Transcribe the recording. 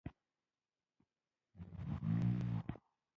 او بیا پوړنی پر سرکړم